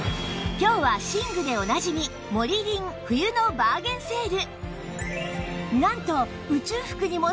今日は寝具でおなじみモリリン冬のバーゲンセール！